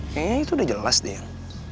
kayaknya itu udah jelas deh